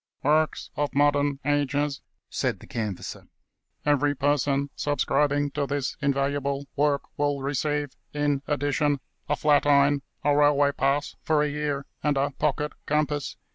" works of modern ages," said the canvasser. "Every person subscribing to this invaluable work will receive, in addition, a flat iron, a railway pass for a year, and a pocket compass.